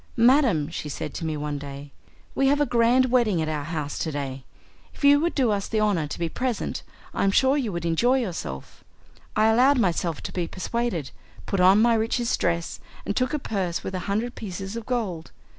'Madam,' she said to me one day, 'we have a grand wedding at our house to day. If you would do us the honour to be present, I am sure you would enjoy yourself.' I allowed myself to be persuaded, put on my richest dress, and took a purse with a hundred pieces of gold.